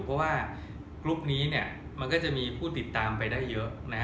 เพราะว่ากรุ๊ปนี้มันก็จะมีผู้ติดตามไปได้เยอะ